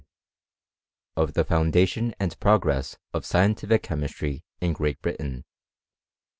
OV TRB POTTNDATION AND PROGRESS OV SCIENTIFIC CHEMISTRY IN GREAT BRITAIN.